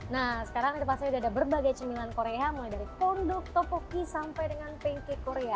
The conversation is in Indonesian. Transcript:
nah sekarang kita pasangnya ada berbagai cemilan korea mulai dari konduk topoki sampai dengan pancake korea